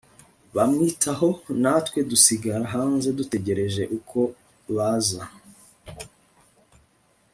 bamwitaho natwe dusigara hanze dutegereje uko baza